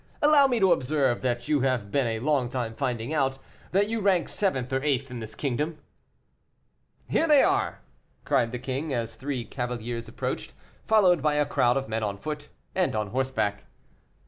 allow me to observe that you have been a long time finding out that you rank seventh or eighth in this kingdom." "Here they are!" cried the king, as three cavaliers approached, followed by a crowd of men on foot and on horseback.